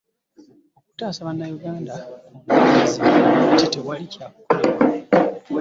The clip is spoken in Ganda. Okutaasa Bannayuganda ku ndwadde zino naye ate tewali kyakolebwa.